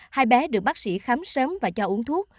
hai bé được bác sĩ khám sớm và cho uống thuốc